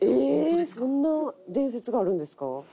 そんな伝説があるんですか？」